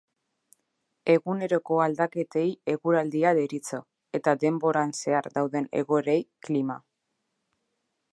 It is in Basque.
Eguneroko aldaketei eguraldia deritzo eta denboran zehar dauden egoerei klima.